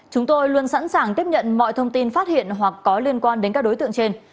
chúng tôi luôn sẵn sàng tiếp nhận mọi thông tin phát hiện hoặc có liên quan đến các đối tượng trên